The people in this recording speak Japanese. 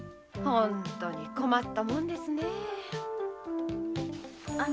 本当に困ったもんですねぇ。